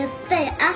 あっ。